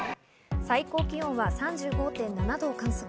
最高気温は３５．７度を観測。